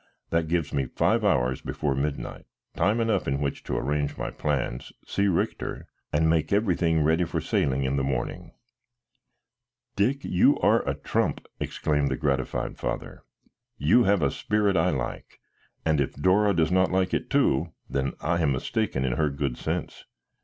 That gives me five hours before midnight, time enough in which to arrange my plans, see Richter, and make everything ready for sailing in the morning." "Dick, you are a trump!" exclaimed the gratified father. "You have a spirit I like, and if Dora does not like it too, then I am mistaken in her good sense.